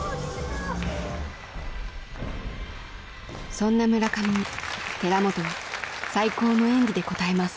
そんな村上に寺本は最高の演技で応えます。